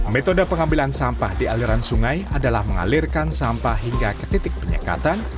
metode pengambilan sampah di aliran sungai adalah mengalirkan sampah hingga ke titik penyekatan